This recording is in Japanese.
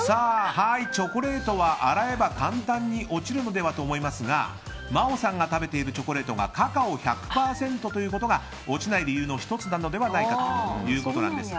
はい、チョコレートは洗えば簡単に落ちると思いますが真央さんが食べているチョコレートがカカオ１００％ということが落ちない理由の１つではないかということです。